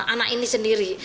anak ini sendiri